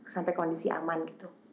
sampai kondisi aman gitu